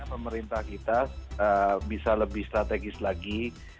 pemerintah kita bisa lebih strategis lagi